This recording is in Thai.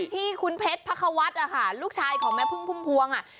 ตามที่คุณเพชรพัควัฒน์อะค่ะลูกชายของแม่พุ่งพุ่งพวง